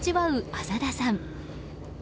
浅田さん。